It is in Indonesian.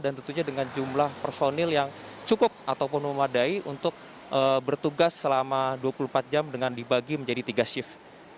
dan tentunya dengan jumlah personil yang cukup ataupun memadai untuk bertugas selama dua puluh empat jam dengan dibagi menjadi tiga shift